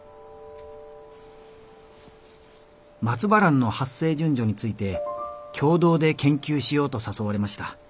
「松葉蘭の発生順序について共同で研究しようと誘われました。